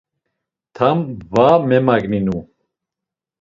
Tam va memagninu.